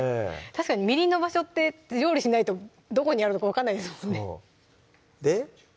確かにみりんの場所って料理しないとどこにあるのか分かんないですもんねで？